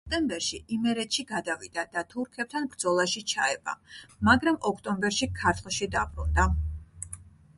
სექტემბერში იმერეთში გადავიდა და თურქებთან ბრძოლაში ჩაება, მაგრამ ოქტომბერში ქართლში დაბრუნდა.